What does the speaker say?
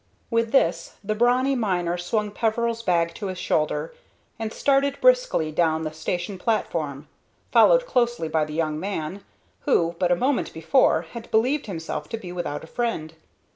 With this the brawny miner swung Peveril's bag to his shoulder, and started briskly down the station platform, followed closely by the young man, who but a moment before had believed himself to be without a friend.